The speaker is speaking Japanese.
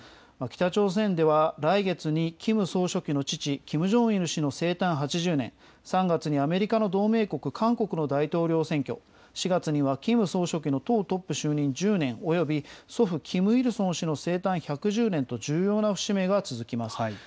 北朝鮮では来月にキム総書記の父、キム・ジョンイル氏の生誕８０年、３月にアメリカの同盟国、韓国の大統領選挙、４月にはキム総書記の党トップ就任１０年および祖父、キム・イルソン氏の生誕１１０年と、重要な節目が続きます。